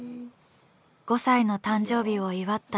５歳の誕生日を祝った